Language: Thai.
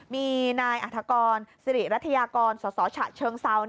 มีนายอัฐกรสิริรัฐยากรสสฉะเชิงเซา